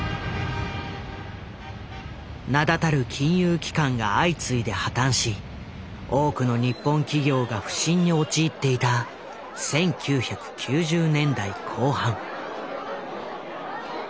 名だたる金融機関が相次いで破たんし多くの日本企業が不振に陥っていた１９９０年代後半。